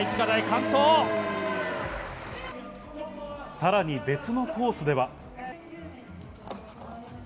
さらに別のコースでは。